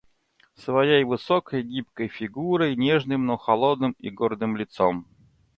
своей высокой гибкой фигурой, нежным, но холодным и гордым лицом,